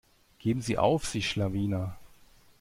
Geben sie auf, sie Schlawiner.